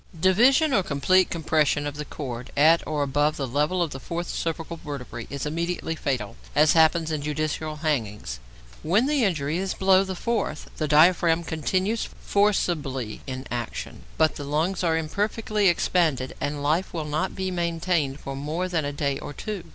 Division or complete compression of the cord at or above the level of the fourth cervical vertebra is immediately fatal (as happens in judicial hanging). When the injury is below the fourth, the diaphragm continues forcibly in action, but the lungs are imperfectly expanded, and life will not be maintained for more than a day or two.